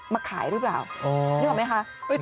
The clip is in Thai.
มาขายหรือเปล่าเห็นหรือไม่คะ